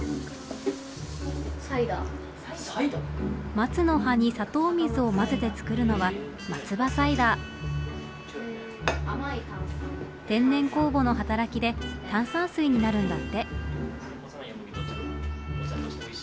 松の葉に砂糖水を混ぜて作るのは天然酵母の働きで炭酸水になるんだって。